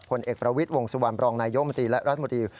เอกประวิทย์วงสุวรรณบรองนายมนตรีและรัฐมนตรี